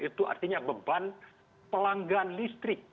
itu artinya beban pelanggan listrik